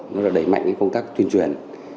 nó đã đẩy mạnh công tác tuyên truyền